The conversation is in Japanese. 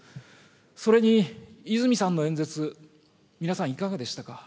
それに泉さんの演説、皆さん、いかがでしたか。